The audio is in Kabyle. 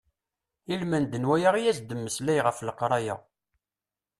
Ilmend n waya i as-d-mmeslay ɣef leqraya.